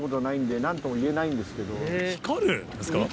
光るんですか。